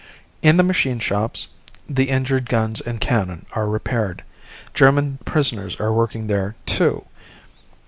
In the machine shops the injured guns and cannon are repaired. German prisoners are working there, too.